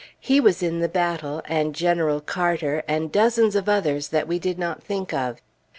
He was in the battle, and General Carter, and dozens of others that we did not think of.